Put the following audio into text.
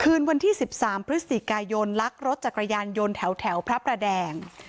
คืนวันที่๑๓พฤศจิกายนลักรถจักรยานยนต์แถวพระประแดง